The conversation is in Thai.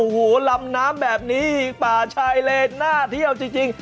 โอ้โหลำน้ำแบบนี้ป่าชายเลนน่าเที่ยวจริง